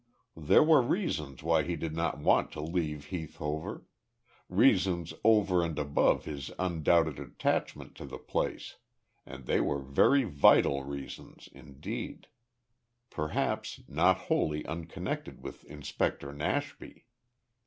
There were reasons why he did not want to leave Heath Hover; reasons over and above his undoubted attachment to the place and they were very vital reasons indeed; perhaps not wholly unconnected with Inspector Nashby.